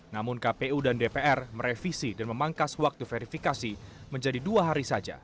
namun kpu dan dpr merevisi dan memangkas waktu verifikasi menjadi dua hari saja